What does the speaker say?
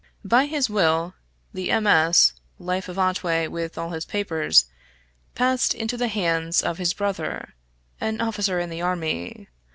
By his will, the MS. life of Otway with all his papers, passed into the hands of his brother, an officer in the army.